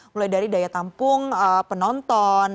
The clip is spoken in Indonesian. mulai dari daya tampung penonton